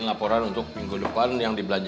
saya akan cari pengacara yang bagus